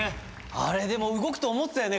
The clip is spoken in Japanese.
あれでも動くと思ってたよね